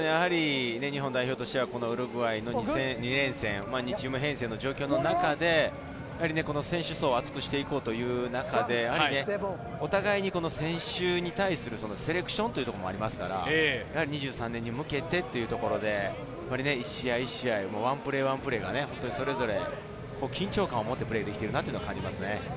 日本代表としてはウルグアイの２連戦、チーム編成の中で、選手層を厚くしていこうという中で、お互いに選手に対するセレクションというのもありますから、２３年に向けてというところで、一試合一試合、ワンプレーワンプレーがそれぞれ緊張感をもってプレーできてるなというのを感じますね。